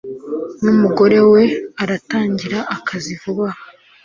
numugore we aratangira akazi vuba aha